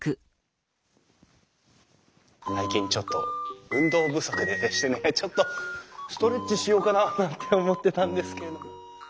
最近ちょっと運動不足でしてねちょっとストレッチしようかななんて思ってたんですけれども。